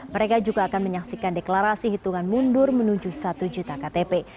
mereka juga akan menyaksikan deklarasi hitungan mundur menuju satu juta ktp